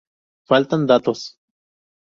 Faltan datos.